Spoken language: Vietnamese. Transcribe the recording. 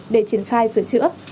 để triển khai sửa chữa